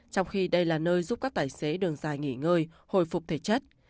trong khi đây là nơi giúp các tài xế đường dài nghỉ ngơi hồi phục thể chất